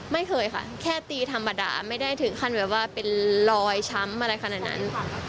ไม่เคยค่ะแค่ตีธรรมดาไม่ได้ถึงขั้นแบบว่าเป็นรอยช้ำอะไรขนาดนั้น